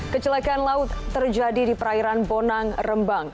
kecelakaan laut terjadi di perairan bonang rembang